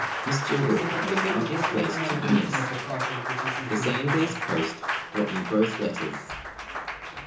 Miss Jillgall may now give place to Eunice. The same day's post brought me both letters.